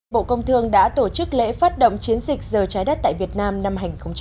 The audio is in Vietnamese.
bộ công thương đã tổ chức lễ phát động chiến dịch giờ trái đất tại việt nam năm hai nghìn một mươi chín